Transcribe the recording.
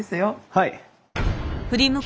はい。